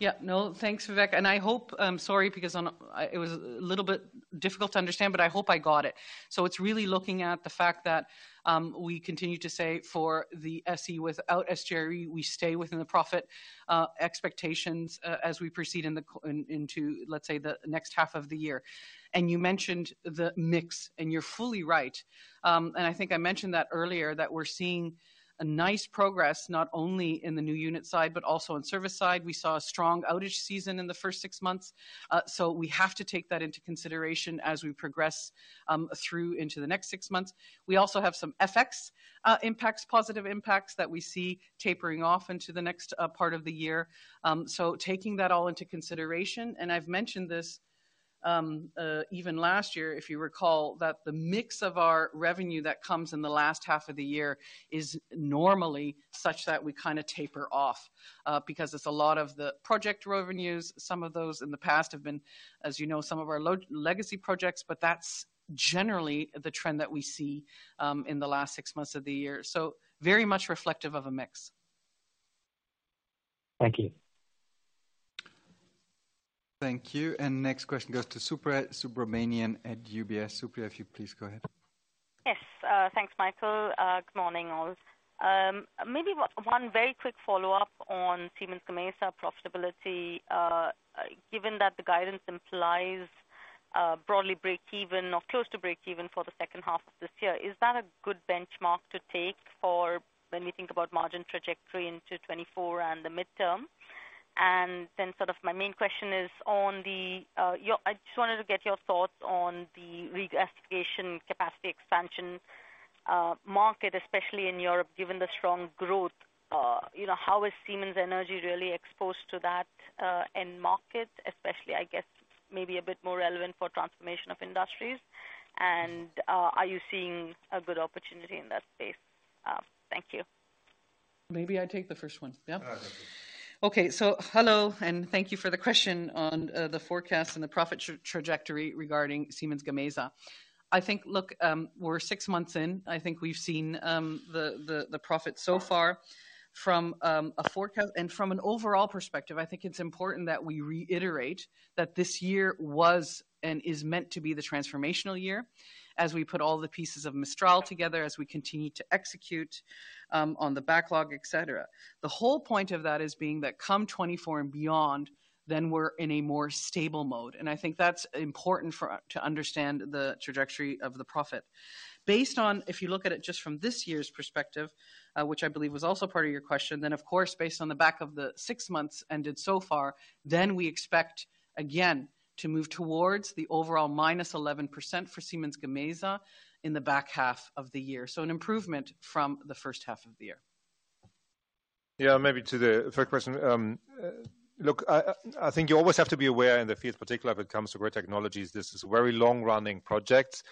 Yeah. No. Thanks, Vivek. I hope, sorry, because on, it was a little bit difficult to understand, but I hope I got it. It's really looking at the fact that we continue to say for the SE without SGE, we stay within the profit expectations as we proceed into, let's say, the next half of the year. You mentioned the mix, and you're fully right. And I think I mentioned that earlier, that we're seeing a nice progress, not only in the new unit side, but also on service side. We saw a strong outage season in the first six months, so we have to take that into consideration as we progress through into the next six months. We also have some FX impacts, positive impacts that we see tapering off into the next part of the year. Taking that all into consideration, and I've mentioned this, even last year, if you recall, that the mix of our revenue that comes in the last half of the year is normally such that we kinda taper off. It's a lot of the project revenues. Some of those in the past have been, as you know, some of our legacy projects, but that's generally the trend that we see, in the last six months of the year. Very much reflective of a mix. Thank you. Thank you. Next question goes to Supriya Subramanian at UBS. Supra, if you please go ahead. Yes. Thanks Michael. Good morning all. Maybe one very quick follow-up on Siemens Gamesa profitability. Given that the guidance implies broadly breakeven or close to breakeven for the second half of this year. Is that a good benchmark to take for when you think about margin trajectory into 2024 and the midterm? Then sort of my main question is on the, I just wanted to get your thoughts on the regasification capacity expansion market, especially in Europe, given the strong growth. You know, how is Siemens Energy really exposed to that end market, especially, I guess maybe a bit more relevant for Transformation of Industry? Are you seeing a good opportunity in that space? Thank you. Maybe I take the first one. Yeah? All right. Hello, and thank you for the question on the forecast and the profit trajectory regarding Siemens Gamesa. I think look, we're six months in. I think we've seen the profit so far from a forecast. From an overall perspective, I think it's important that we reiterate that this year was, and is meant to be the transformational year, as we put all the pieces of Mistral together, as we continue to execute on the backlog, et cetera. The whole point of that is being that come 2024 and beyond, then we're in a more stable mode. I think that's important for us to understand the trajectory of the profit. Based on if you look at it just from this year's perspective, which I believe was also part of your question, of course, based on the back of the six months ended so far, we expect again to move towards the overall -11% for Siemens Gamesa in the back half of the year. An improvement from the first half of the year. Maybe to the third question. Look, I think you always have to be aware in the field, particularly if it comes to Grid Technologies, this is very long-running projects.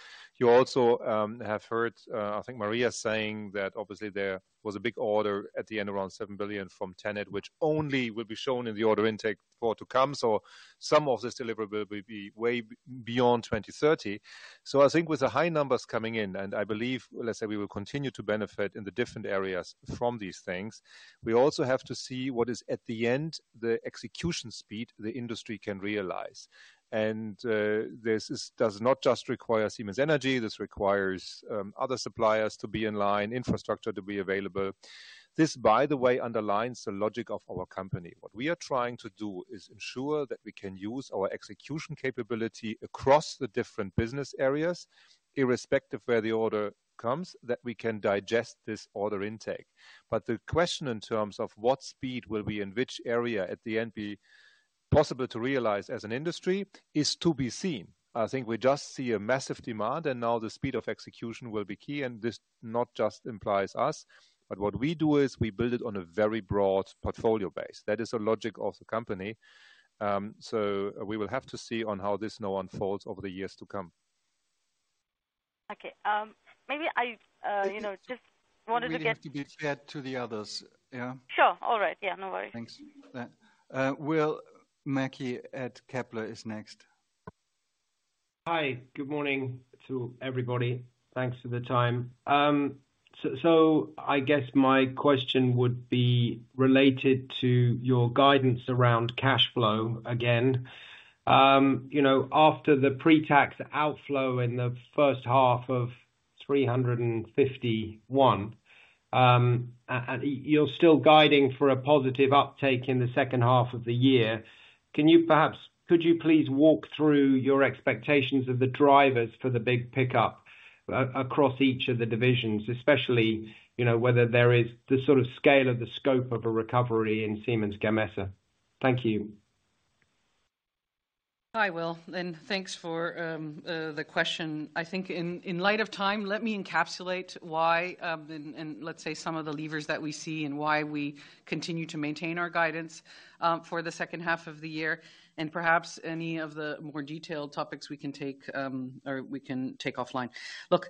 You also have heard, I think Maria saying that obviously there was a big order at the end around 7 billion from TenneT, which only will be shown in the order intake for to come. Some of this deliverable will be way beyond 2030. I think with the high numbers coming in, and I believe, let's say we will continue to benefit in the different areas from these things. We also have to see what is at the end, the execution speed the industry can realize. This does not just require Siemens Energy. This requires other suppliers to be in line, infrastructure to be available. This, by the way underlines the logic of our company. What we are trying to do is ensure that we can use our execution capability across the different Business Areas, irrespective of where the order comes, that we can digest this order intake. The question in terms of what speed will be in which area at the end be possible to realize as an industry is to be seen. I think we just see a massive demand and now the speed of execution will be key, and this not just implies us. What we do is we build it on a very broad portfolio base. That is the logic of the company. We will have to see on how this now unfolds over the years to come. Okay. Maybe I. We have to give air to the others. Yeah. Sure. All right. Yeah, no worries. Thanks for that. Will Mackie at Kepler is next. Hi. Good morning to everybody. Thanks for the time. I guess my question would be related to your guidance around cash flow again. You know, after the pre-tax outflow in the first half of 351, and you're still guiding for a positive uptake in the second half of the year. Could you please walk through your expectations of the drivers for the big pickup across each of the divisions, especially, you know, whether there is the sort of scale of the scope of a recovery in Siemens Gamesa. Thank you. Hi, Will, and thanks for the question. I think in light of time, let me encapsulate why and let's say some of the levers that we see and why we continue to maintain our guidance for the second half of the year and perhaps any of the more detailed topics we can take or we can take offline. Look,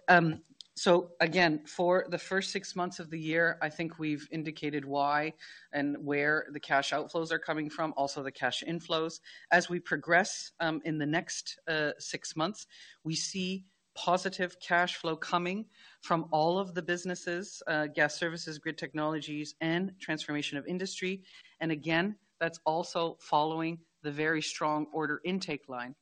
so again, for the first six months of the year, I think we've indicated why and where the cash outflows are coming from, also the cash inflows. As we progress in the next six months, we see positive cash flow coming from all of the businesses, Gas Services, Grid Technologies, and Transformation of Industry. Again, that's also following the very strong order intake line.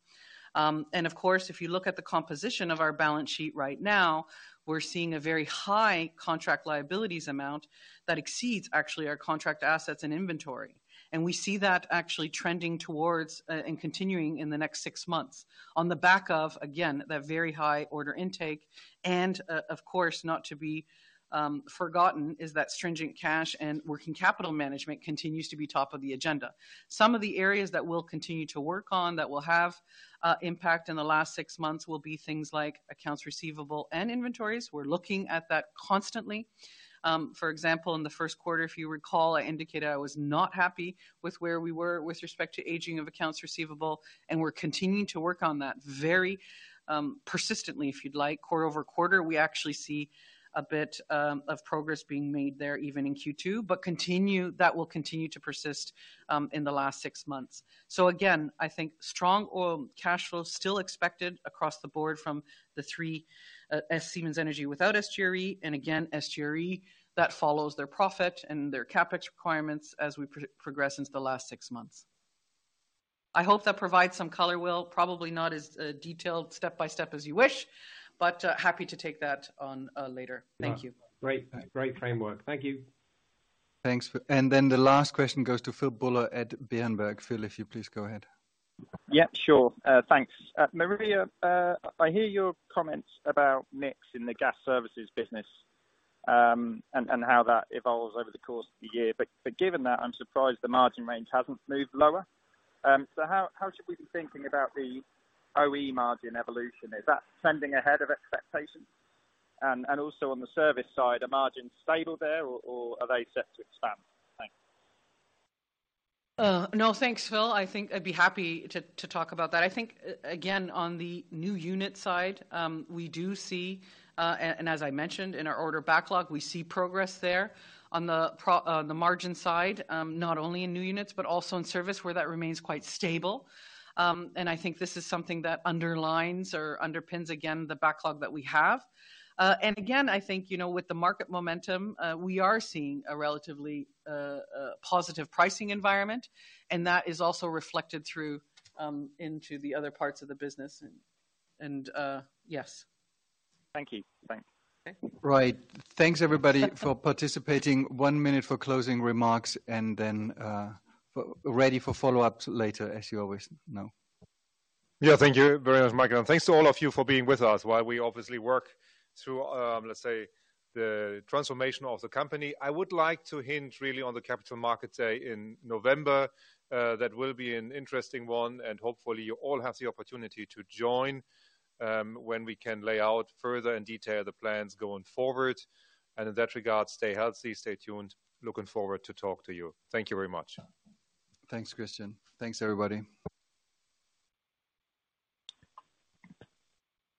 Of course, if you look at the composition of our balance sheet right now, we're seeing a very high contract liabilities amount that exceeds actually our contract assets and inventory. We see that actually trending towards and continuing in the next six months. On the back of, again, that very high order intake, and of course, not to be forgotten, is that stringent cash and working capital management continues to be top of the agenda. Some of the areas that we'll continue to work on that will have impact in the last six months will be things like accounts receivable and inventories. We're looking at that constantly. For example, in the first quarter, if you recall, I indicated I was not happy with where we were with respect to aging of accounts receivable, and we're continuing to work on that very persistently, if you'd like. Quarter-over-quarter, we actually see a bit of progress being made there even in Q2. That will continue to persist in the last six months. Again, I think strong oil cash flow still expected across the board from the three, as Siemens Energy without SGRE, and again, SGRE, that follows their profit and their CapEx requirements as we progress since the last six months. I hope that provides some color, Will. Probably not as detailed step by step as you wish, happy to take that on later. Thank you. Great. Great framework. Thank you. Thanks. Then the last question goes to Philip Buller at Berenberg. Phil, if you please go ahead. Yeah, sure. Thanks. Maria, I hear your comments about mix in the Gas Services business, and how that evolves over the course of the year. Given that, I'm surprised the margin range hasn't moved lower. How should we be thinking about the OE margin evolution? Is that trending ahead of expectations? Also on the service side, are margins stable there or are they set to expand? Thanks. No. Thanks, Phil. I think I'd be happy to talk about that. I think again, on the new unit side, we do see, and as I mentioned in our order backlog, we see progress there. On the margin side, not only in new units, but also in service where that remains quite stable. I think this is something that underlines or underpins, again, the backlog that we have. Again, I think, you know, with the market momentum, we are seeing a relatively positive pricing environment, and that is also reflected through into the other parts of the business and, yes. Thank you. Bye. Okay. Right. Thanks, everybody, for participating. One minute for closing remarks and then ready for follow-ups later, as you always know. Yeah. Thank you very much, Michael, and thanks to all of you for being with us while we obviously work through, let's say, the transformation of the company. I would like to hint really on the Capital Markets Day in November. That will be an interesting one, and hopefully, you all have the opportunity to join, when we can lay out further in detail the plans going forward. In that regard, stay healthy, stay tuned. Looking forward to talk to you. Thank you very much. Thanks, Christian. Thanks, everybody.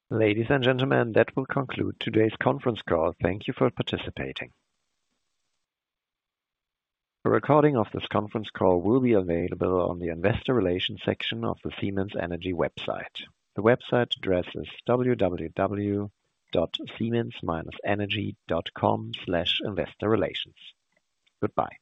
Ladies and gentlemen, that will conclude today's conference call. Thank you for participating. A recording of this conference call will be available on the Investor Relations section of the Siemens Energy website. The website address is www.siemens-energy.com/investorrelations. Goodbye.